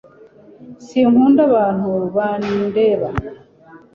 Sinkunda abantu bandeba